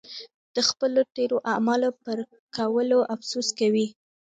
د خپلو تېرو اعمالو پر کولو افسوس کوي.